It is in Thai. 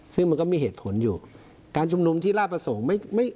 ซึ่งมันก็มีเหตุผลอยู่การชุมนุมที่ลาบประสงค์ไม่ไม่